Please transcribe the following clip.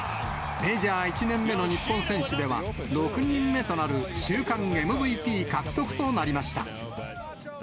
メジャー１年目の日本選手では６人目となる週間ＭＶＰ獲得となりました。